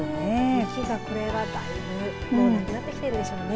雪がだいぶなくなってきてるんでしょうね。